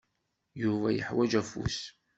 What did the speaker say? Yuba yeḥwaǧ afus.